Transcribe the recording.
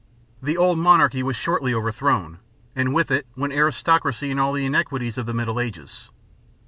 The old monarchy was shortly overthrown, and with it went aristocracy and all the inequalities of the Middle Ages.